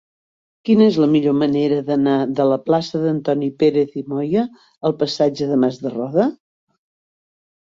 Quina és la millor manera d'anar de la plaça d'Antoni Pérez i Moya al passatge de Mas de Roda?